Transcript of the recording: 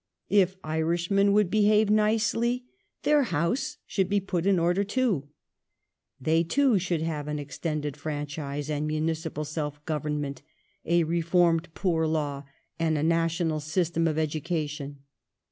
If Irishmen would behave nicely their house should be put in order too. They, too, should have an extended franchise and municipal self government ; a reformed poor law, and a national system of education.